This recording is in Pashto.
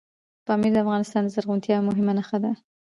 پامیر د افغانستان د زرغونتیا یوه مهمه نښه ده.